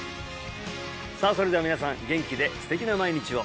さあそれでは皆さん元気で素敵な毎日を！